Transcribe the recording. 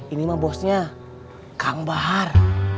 ini mah bosnya kang bahar